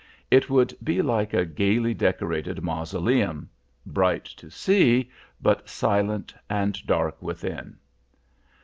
It would be like a gaily decorated mausoleum—bright to see, but silent and dark within.